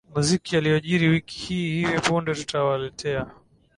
muziki yaliojiri wiki hii hivi punde tutawaletea